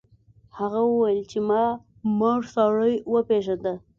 هغه وویل چې ما مړ سړی وپیژنده.